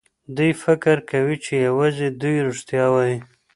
دوی فکر کوي چې يوازې دوی رښتيا وايي.